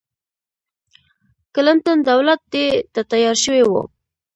کلنټن دولت دې ته تیار شوی و.